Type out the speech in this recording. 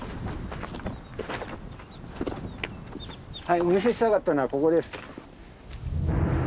お見せしたかったのはここです。